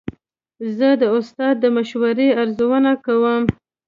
زه د استاد د مشورو ارزونه کوم.